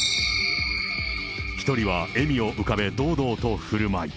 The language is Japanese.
１人は笑みを浮かべ、堂々とふるまい。